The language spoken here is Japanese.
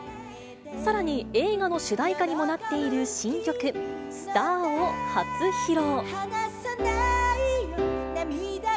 さらに、映画の主題歌にもなっている新曲、ＳＴＡＲを初披露。